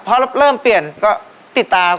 พอเริ่มเปลี่ยนก็ติดตาม